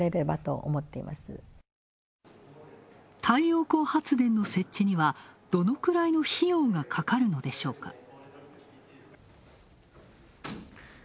太陽光発電の設置にはどのくらいの費用がかかるのでしょうか。